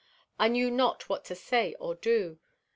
I knew not what to say or do.